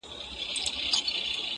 لا ورکه له ذاهدهیاره لار د توبې نه ده،